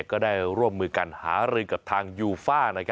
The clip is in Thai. ก็ได้ร่วมมือกันหารือกับทางยูฟ่า